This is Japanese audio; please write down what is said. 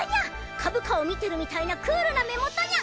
株価を見てるみたいなクールな目元ニャン！